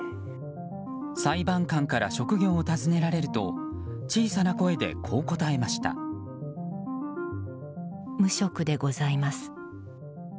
裁判官から職業を尋ねられると小さな声で無職でございます。